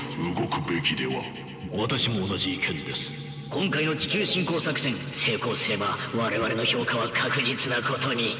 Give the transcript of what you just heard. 今回の地球侵攻作戦成功すれば我々の評価は確実なことに。